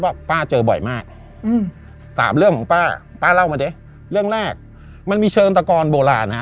ป้าเจอบ่อยมากอืมสามเรื่องของป้าป้าเล่ามาดิเรื่องแรกมันมีเชิงตะกอนโบราณนะฮะ